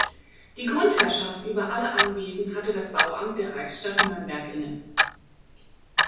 Die Grundherrschaft über alle Anwesen hatte das Bauamt der Reichsstadt Nürnberg inne.